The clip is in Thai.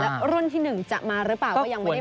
แล้วรุ่นที่๑จะมาหรือเปล่าก็ยังไม่ได้